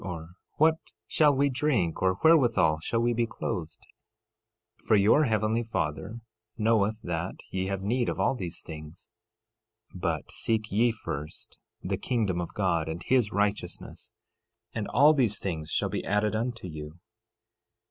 or, What shall we drink? or, Wherewithal shall we be clothed? 13:32 For your heavenly Father knoweth that ye have need of all these things. 13:33 But seek ye first the kingdom of God and his righteousness, and all these things shall be added unto you.